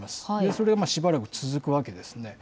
それがしばらく続くわけですね。